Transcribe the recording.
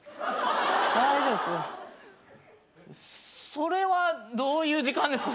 それはどういう時間ですか？